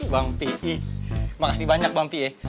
bang pi makasih banyak bang pie ya